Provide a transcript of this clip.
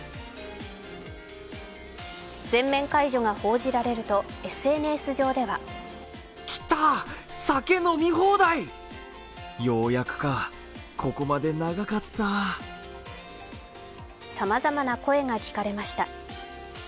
全面解除が報じられると、ＳＮＳ上ではさまざまな声が聞かれました。